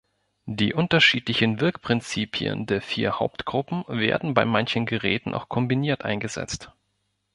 Die unterschiedlichen Wirkprinzipien der vier Hauptgruppen werden bei manchen Geräten auch kombiniert eingesetzt.